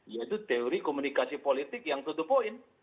yaitu teori komunikasi politik yang to to point